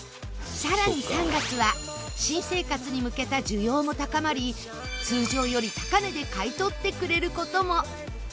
さらに３月は新生活に向けた需要も高まり通常より高値で買い取ってくれる事も。